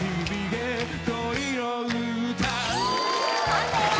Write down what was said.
判定は？